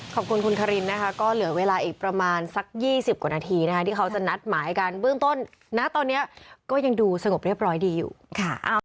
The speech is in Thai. ขอบคุณคุณคารินนะคะก็เหลือเวลาอีกประมาณสัก๒๐กว่านาทีนะคะที่เขาจะนัดหมายกันเบื้องต้นนะตอนนี้ก็ยังดูสงบเรียบร้อยดีอยู่ค่ะ